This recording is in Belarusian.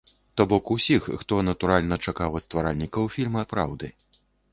То бок усіх, хто, натуральна, чакаў ад стваральнікаў фільма праўды.